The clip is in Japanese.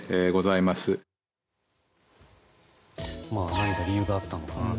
何か理由があったのかな？